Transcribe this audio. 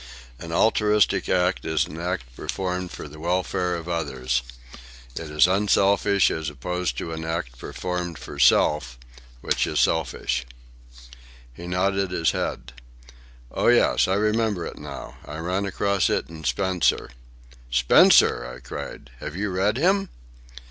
"An altruistic act is an act performed for the welfare of others. It is unselfish, as opposed to an act performed for self, which is selfish." He nodded his head. "Oh, yes, I remember it now. I ran across it in Spencer." "Spencer!" I cried. "Have you read him?"